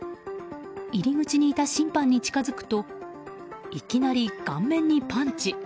入り口にいた審判に近づくといきなり顔面にパンチ。